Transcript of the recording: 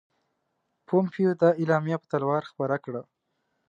پومپیو دا اعلامیه په تلوار خپره کړه.